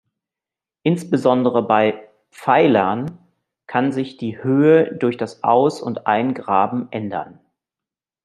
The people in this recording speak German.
Insbesondere bei Pfeilern kann sich die Höhe durch das Aus- und Eingraben ändern.